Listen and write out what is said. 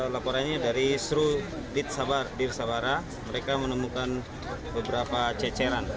laporannya dari sru dir sabara mereka menemukan beberapa ceceran